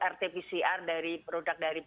rt pcr dari produk dari